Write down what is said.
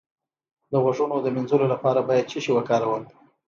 د غوږونو د مینځلو لپاره باید څه شی وکاروم؟